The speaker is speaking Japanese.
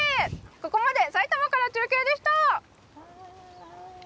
ここまで埼玉から中継でした。